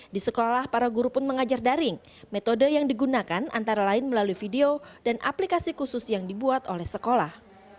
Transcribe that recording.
di sekolah para guru pun mengajar daring metode yang digunakan antara lain melalui video dan aplikasi khusus yang dibuat oleh sekolah